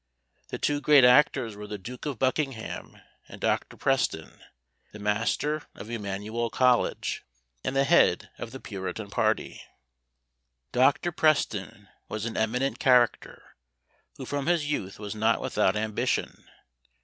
The two great actors were the Duke of Buckingham and Dr. Preston, the master of Emmanual College, and the head of the puritan party. Dr. Preston was an eminent character, who from his youth was not without ambition.